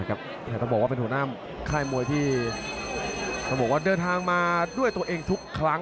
ต้องบอกว่าเป็นหัวหน้าข้ายมวยที่เดินทางมาด้วยตัวเองทุกครั้ง